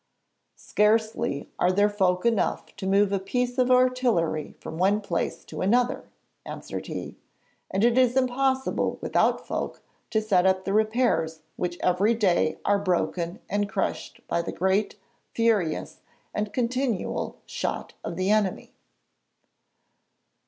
'Scarcely are there folk enough to move a piece of artillery from one place to another,' answered he, 'and it is impossible without folk to set up the repairs which every day are broken and crushed by the great, furious, and continual shot of the enemy.'